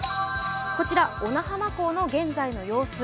こちら、小名浜港の現在の様子。